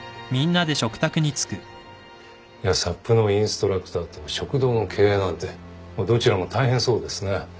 サップのインストラクターと食堂の経営なんてどちらも大変そうですね。